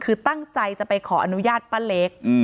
คือตั้งใจจะไปขออนุญาตป้าเล็ก